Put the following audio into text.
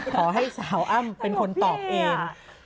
ขอให้สาวอ้ำเป็นคนตอบเอง